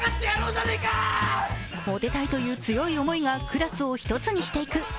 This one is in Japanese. モテたいという強い思いが、クラスを一つにしていく。